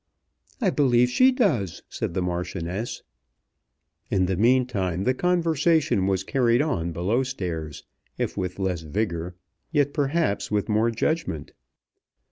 "I believe she does," said the Marchioness. In the mean time the conversation was carried on below stairs, if with less vigour, yet perhaps with more judgment.